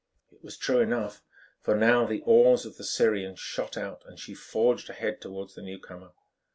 It was true enough, for now the oars of the Syrian shot out and she forged ahead towards the newcomer.